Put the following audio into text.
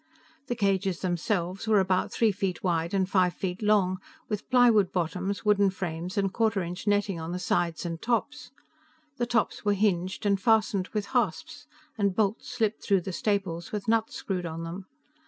The cages themselves were about three feet wide and five feet long, with plywood bottoms, wooden frames and quarter inch netting on the sides and tops. The tops were hinged, and fastened with hasps, and bolts slipped through the staples with nuts screwed on them.